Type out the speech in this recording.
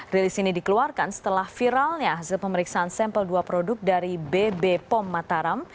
rilis ini dikeluarkan setelah viralnya hasil pemeriksaan sampel dua produk dari bb pom mataram